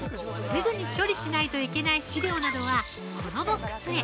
◆すぐに処理しないといけない資料などは、このボックスへ。